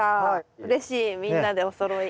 うれしいみんなでおそろい。